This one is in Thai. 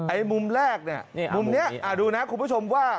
มุมแรกเนี่ยมุมนี้ดูนะคุณผู้ชมว่า